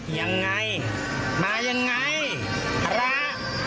ยังไงมายังไงพระ